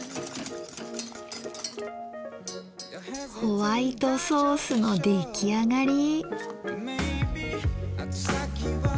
ホワイトソースの出来上がり。